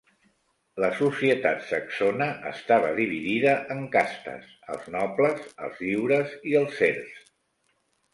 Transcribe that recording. La societat saxona estava dividida en castes: els nobles, els lliures i els serfs.